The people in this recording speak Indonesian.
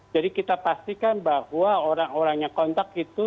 kita pastikan bahwa orang orang yang kontak itu